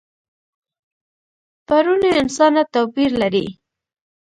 پروني انسانه توپیر لري.